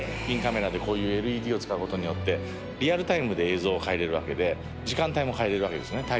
インカメラでこういうＬＥＤを使うことによってリアルタイムで映像を変えれるわけで時間帯も変えれるわけですね